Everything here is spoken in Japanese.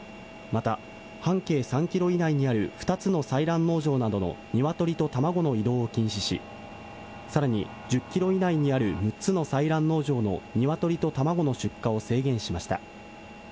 また、半径３キロ以内にある２つの採卵農場などの鶏と卵の移動を禁止し、さらに１０キロ以内にある６つの採卵農場の鶏と卵の出荷を制限しました。